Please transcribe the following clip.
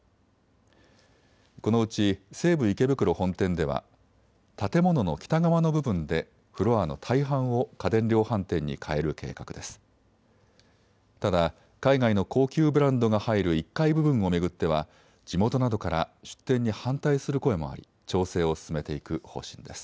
このうち西武池袋本店では建物の北側の部分でフロアの大半を家電量販店に変える計画です。